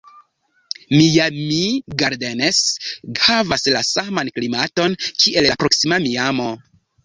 Miami Gardens havas la saman klimaton, kiel la proksima Miamo.